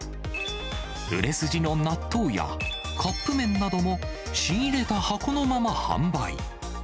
売れ筋の納豆やカップ麺なども仕入れた箱のまま販売。